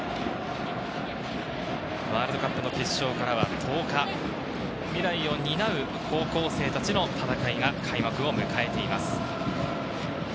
ワールドカップの決勝からは１０日、未来を担う高校生達の戦いが開幕を迎えています。